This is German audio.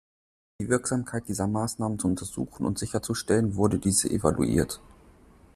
Um die Wirksamkeit dieser Maßnahmen zu untersuchen und sicherzustellen, wurden diese evaluiert.